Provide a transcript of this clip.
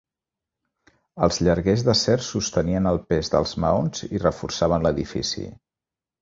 Els llarguers d'acer sostenien el pes dels maons i reforçaven l'edifici.